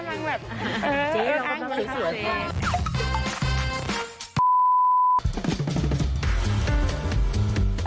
เป้าหมายความคิดสวยค่ะ